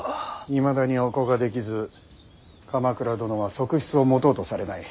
いまだにお子ができず鎌倉殿は側室を持とうとされない。